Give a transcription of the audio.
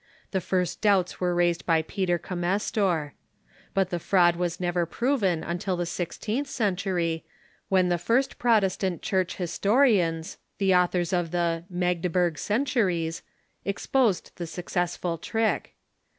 The first doubts AA'ere raised by Peter Comestor, But the fraud was never proA'en until the sixteenth century, when the first Protestant Church historians, the authors of the " Magdeburg Centuries," exposed the successful trick.